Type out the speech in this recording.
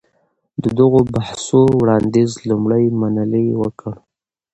د دغو بحثو وړانديز لومړی منلي وکړ.